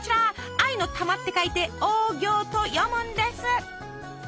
愛の玉って書いて「オーギョー」と読むんです。